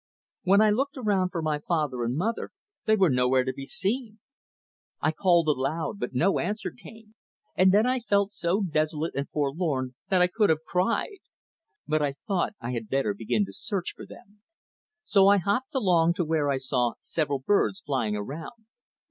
When I looked around for my father and mother they were nowhere to be seen. I called aloud, but no answer came, and then I felt so desolate and forlorn that I could have cried. But I thought I had better begin to search for them. So I hopped along to where I saw several birds flying around.